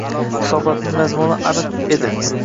Hisobotning mazmuni aniq edi.